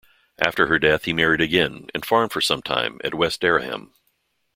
After her death he married again, and farmed for some time at West Dereham.